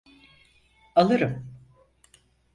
Alırım.